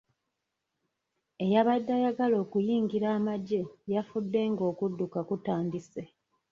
Eyabadde ayagala okuyingira amagye yafudde nga okudduka kutandise.